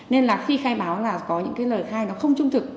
nên là khi khai báo là có những cái lời khai nó không trung thực